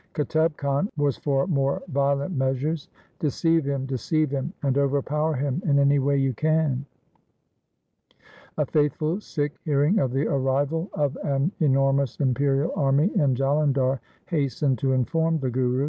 Qutub Khan was for more violent measures, ' Deceive him, deceive him ! and overpower him in any way you can !' A faithful Sikh hearing of the arrival of an enor mous imperial army in Jalandhar hastened to inform the Guru.